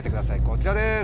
こちらです。